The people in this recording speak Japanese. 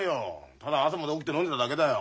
ただ朝まで起きて飲んでただけだよ。